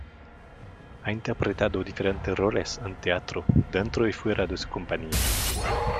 Ha interpretado diferentes roles en teatro, dentro y fuera de su compañía.